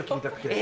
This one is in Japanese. え！